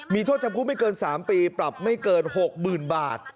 มีโทษจำคุกไม่เกิน๓ปีปรับไม่เกิน๖๐๐๐บาท